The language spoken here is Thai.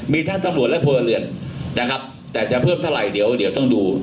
มีทั้งตำรวจและพลเรือนนะครับแต่จะเพิ่มเท่าไหร่เดี๋ยวต้องดู